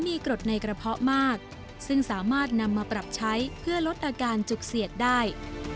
มีกรดในกระเพาะมากซึ่งสามารถนำมาปรับใช้เพื่อลดอาการจุกเสียดได้